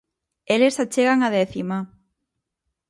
Eles achegan a décima.